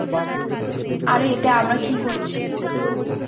আরে এতে আমরা কি করেছি?